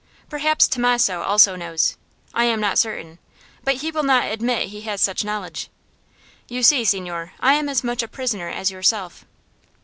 Perhaps Tommaso also knows; I am not certain; but he will not admit he has such knowledge. You see, signore, I am as much a prisoner as yourself."